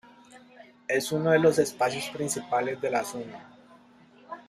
Es uno de los espacios principales de La Zona.